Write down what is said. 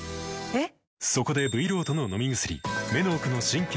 えっ⁉